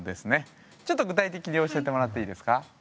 ちょっと具体的に教えてもらっていいですか？